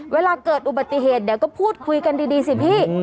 เวลาเกิดอุบัติเหตุเดี๋ยวก็พูดคุยกันดีสิพี่